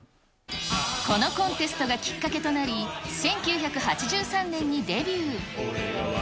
このコンテストがきっかけとなり、１９８３年にデビュー。